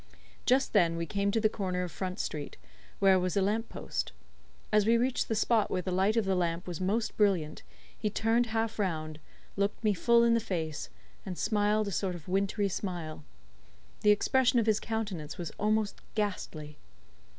Just then we came to the corner of Front Street, where was a lamp post. As we reached the spot where the light of the lamp was most brilliant, he turned half round, looked me full in the face, and smiled a sort of wintry smile. The expression of his countenance was almost ghastly.